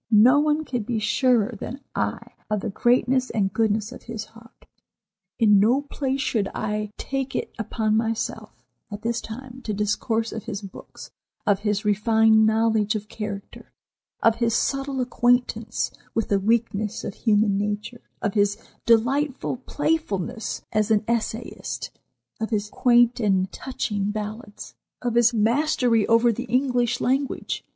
No one can be surer than I of the greatness and goodness of his heart. In no place should I take it upon myself at this time to discourse of his books, of his refined knowledge of character, of his subtle acquaintance with the weakness of human nature, of his delightful playfulness as an essayist, of his quaint and touching ballads, of his mastery over the English language.